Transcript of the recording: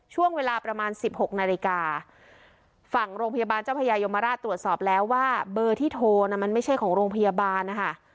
ช่วงเวลาประมาณสิบหกนาฬิกาฝั่งโรงพยาบาลเจ้าพญายมราชตรวจสอบแล้วว่าเบอร์ที่โทรน่ะมันไม่ใช่ของโรงพยาบาลนะคะ